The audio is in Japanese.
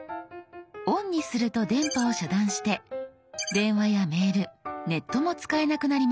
「ＯＮ」にすると電波を遮断して電話やメールネットも使えなくなります。